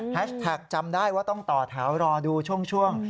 แท็กจำได้ว่าต้องต่อแถวรอดูช่วง